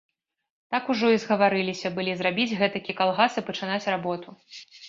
Так ужо і згаварыліся былі зрабіць гэтакі калгас і пачынаць работу.